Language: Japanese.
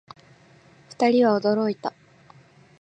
二人は驚いた